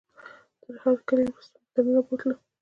تر هرکلي وروسته یې موږ دننه بوتلو.